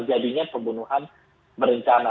kemudian terjadinya pembunuhan berencana